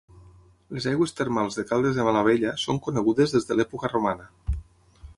Les aigües termals de Caldes de Malavella són conegudes des de l’època romana.